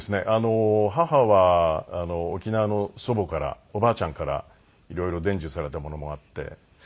母は沖縄の祖母からおばあちゃんから色々伝授されたものもあって。